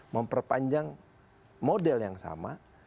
memperpanjang model yang sama